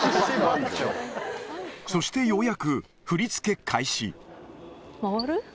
そしてようやく、振り付け開回る？